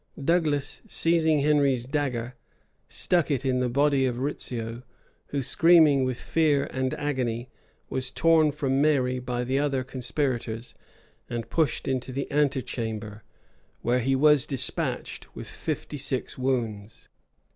Douglas, seizing Henry's dagger, stuck it in the body of Rizzio, who, screaming with fear and agony, was torn from Mary by the other conspirators, and pushed into the ante chamber, where he was despatched with fifty six wounds.